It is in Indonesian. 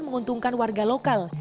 menguntungkan warga lokal